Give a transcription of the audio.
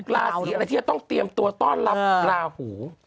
ราศีอะไรที่จะต้องเตรียมตัวต้อนรับลาหู